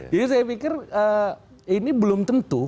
jadi saya pikir ini belum tentu